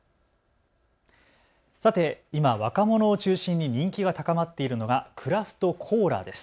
さて今、若者を中心に人気が高まっているのがクラフトコーラです。